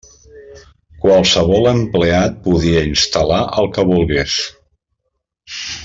Qualsevol empleat podia instal·lar el que volgués.